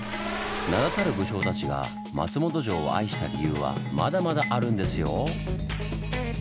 名だたる武将たちが松本城を愛した理由はまだまだあるんですよ！